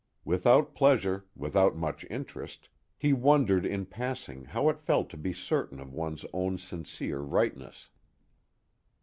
Without pleasure, without much interest, he wondered in passing how it felt to be certain of one's own serene rightness.